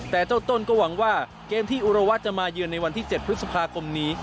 แต่เจ้าต้นก็หวังว่าเกมที่อุรวัตรจะมาเยือนในวันที่๗พฤษภาคมนี้